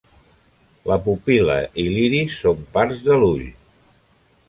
La pupil·la i l'iris són parts de l'ull.